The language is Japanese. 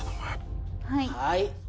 はいはい